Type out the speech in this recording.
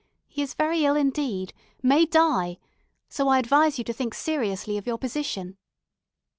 He is very ill indeed may die; so I advise you to think seriously of your position."